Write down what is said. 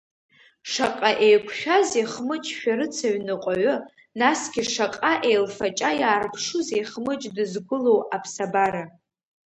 Шаҟа еиқәшәази Хмыҷ шәарыцаҩ ныҟәаҩы, насгьы шаҟа еилфаҷа иаарԥшузеи Хмыҷ дызгәылоу аԥсабара.